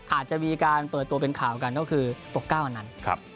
อาจจะเปิดตัวเป็นข่าวกันก็คือโป๊ะ๙อนาต